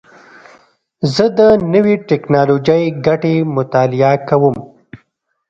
زه د نوې ټکنالوژۍ ګټې مطالعه کوم.